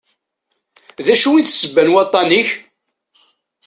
D acu i d ssebba n waṭṭan-ik?